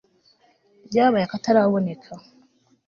ryabaye akataraboneka